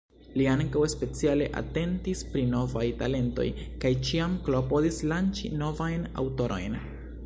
Li ankaŭ speciale atentis pri novaj talentoj kaj ĉiam klopodis lanĉi novajn aŭtorojn.